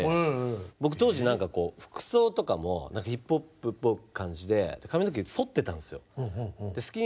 僕当時何かこう服装とかもヒップホップっぽい感じで髪の毛そってたんですよ。